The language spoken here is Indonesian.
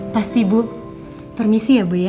pasti bu permisi ya bu ya